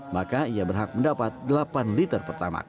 maka ia berhak mendapat delapan liter per tamak